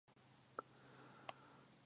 په شکور کښې په ډوډو څپُوڼے خپور کړه۔